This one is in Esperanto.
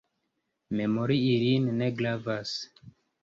Memori ilin ne gravas.